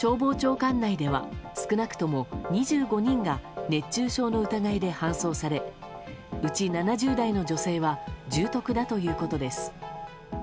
管内では少なくとも２５人が熱中症の疑いで搬送されうち７０代の女性は重篤だということです。